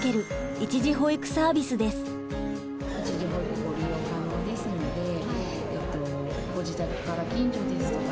一時保育ご利用可能ですのでご自宅から近所ですとか。